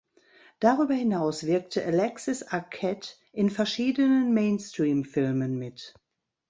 Darüber hinaus wirkte Alexis Arquette in verschiedenen Mainstream-Filmen mit.